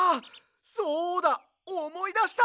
そうだおもいだした！